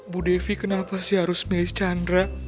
bu devi kenapa sih harus milih chandra